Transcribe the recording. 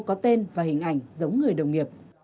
có tên và hình ảnh giống người đồng nghiệp